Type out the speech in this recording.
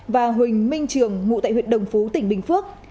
và huỳnh minh trường ngụ tại huyện đồng phú tỉnh bình phước